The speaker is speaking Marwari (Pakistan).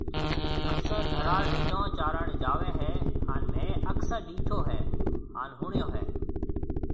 اڪثر ڌراڙ رڍون چارڻ جاوي هي هان مينهه اڪثر ڏيٺو هي هان ۿڻيو هي